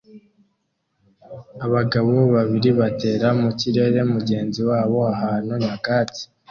Abagabo babiri batera mu kirere mugenzi wabo ahantu nyakatsi